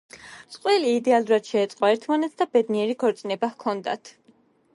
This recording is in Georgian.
წყვილი იდეალურად შეეწყო ერთმანეთს და ბედნიერი ქორწინება ჰქონდათ.